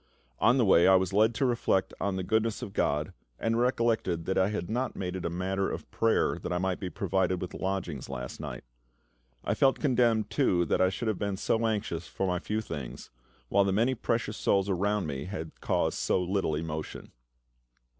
On the way I was led to reflect on the goodness of GOD, and recollected that I had not made it a matter of prayer that I might be provided with lodgings last night. I felt condemned, too, that I should have been so anxious for my few things, while the many precious souls around me had caused so little emotion.